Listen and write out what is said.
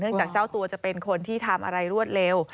จากเจ้าตัวจะเป็นคนที่ทำอะไรรวดเร็ว